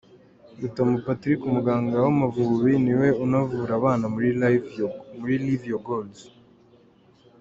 Rutamu Patrick umuganga w'Amavubi ni we unavura abana muri Live Your Goals.